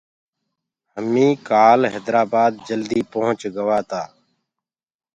همينٚ ڪآل حيدرآبآد جلدي پنٚوهچ گوآ تآ۔